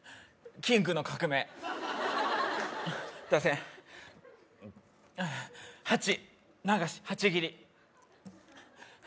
キングの革命出せん８流し８切り１！